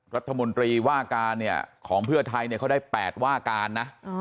รัฐมนตรีว่าการเนี่ยของเพื่อไทยเนี่ยเขาได้๘ว่าการนะ